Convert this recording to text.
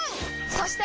そして！